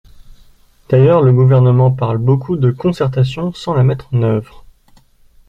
D’ailleurs, le Gouvernement parle beaucoup de concertation sans la mettre en œuvre.